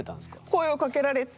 声をかけられて。